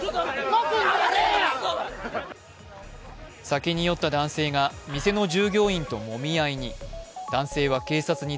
酒に酔った男性が店の従業員ともみ合いに。